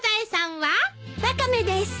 ワカメです。